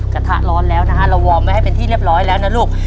กระทะร้อนแล้วนะฮะเราวอร์มไว้ให้เป็นที่เรียบร้อยแล้วนะลูก